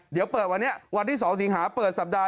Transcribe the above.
เดี๋ยวเปิดวันนี้วันที่๒สิงหาเปิดสัปดาห